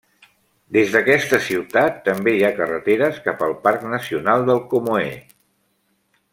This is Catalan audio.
Des d'aquesta ciutat també hi ha carreteres cap al Parc Nacional del Comoé.